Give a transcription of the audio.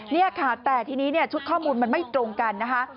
นี่ค่ะแต่ทีนี้ชุดข้อมูลมันไม่ตรงกันนะคะ